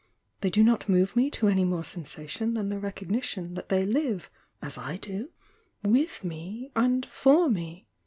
They do not move me to any more sensation than the recognition that they live as I do, toith me and for me.